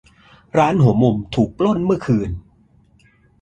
ร้านหัวมุมถูกปล้นเมื่อคืน